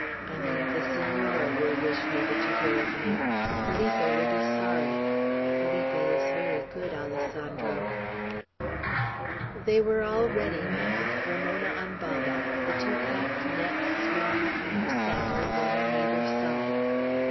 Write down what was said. I mean, the Senora will wish never to hear of me. Felipe will be sorry. Felipe is very good, Alessandro." They were all ready now, Ramona on Baba, the two packed nets swinging from her saddle, one on either side.